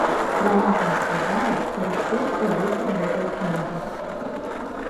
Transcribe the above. Яна там сказала, што рыхтуецца выхад гэтай кнігі.